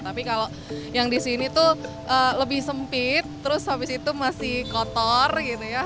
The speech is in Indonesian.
tapi kalau yang di sini tuh lebih sempit terus habis itu masih kotor gitu ya